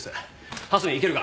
蓮見行けるか？